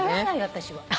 私は。